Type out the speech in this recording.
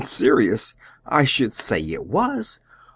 "Serious! I should say it was!